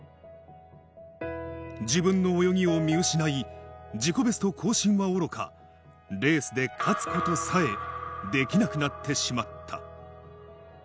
自分の泳ぎを見失い、自己ベスト更新はおろか、レースで勝つことさえできなくなってしまった。